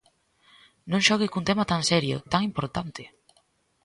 ¡Non xogue cun tema tan serio, tan importante!